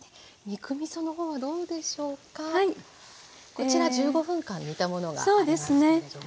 こちら１５分間煮たものがありますけれども。